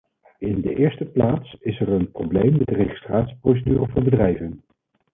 In de eerste plaats is er een probleem met de registratieprocedure voor bedrijven.